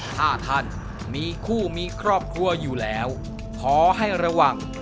ถ้าท่านมีคู่มีครอบครัวอยู่แล้วขอให้ระวัง